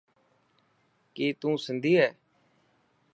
ڪي تون سنڌي هي.